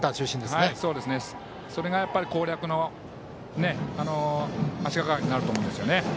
それが攻略の足がかりになると思うんですよね。